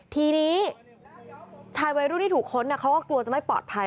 ทีนี้ชายวัยรุ่นที่ถูกค้นเขาก็กลัวจะไม่ปลอดภัย